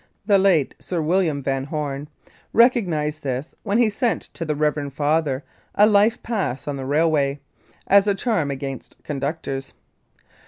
(the late Sir William Van Home) recognised this when he sent to the Reverend Father a life pass on the railway "as a charm against conductors!"